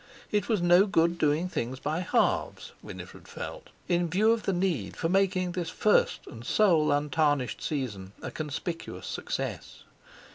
It was no good doing things by halves, Winifred felt, in view of the need for making this first and sole untarnished season a conspicuous success.